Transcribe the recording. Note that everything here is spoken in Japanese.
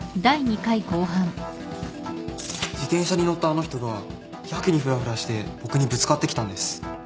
自転車に乗ったあの人がやけにふらふらして僕にぶつかってきたんです。